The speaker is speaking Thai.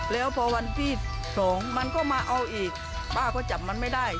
แล้วพอวันที่๒มันก็มาเอาอีกป้าก็จับมันไม่ได้